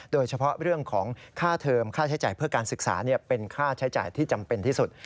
โดยเฉพาะเรื่องของค่าเทิมค่าใช้จ่ายเพื่อการศึกษาเป็นค่าใช้จ่ายที่จำเป็นที่สุด